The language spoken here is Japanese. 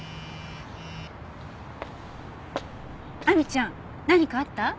亜美ちゃん何かあった？